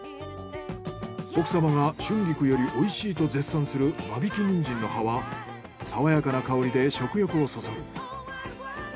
奥様が春菊よりおいしいと絶賛する間引きニンジンの葉はさわやかな香りで食欲をそそる。